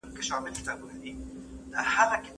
ده د واک پای د ژوند پای نه باله.